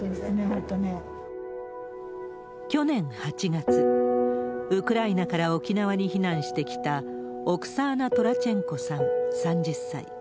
去年８月、ウクライナから沖縄に避難してきた、オクサーナ・トラチェンコさん３０歳。